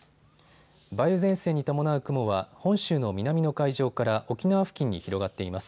梅雨前線に伴う雲は本州の南の海上から沖縄付近に広がっています。